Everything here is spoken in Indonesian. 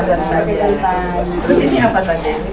terus ini apa saja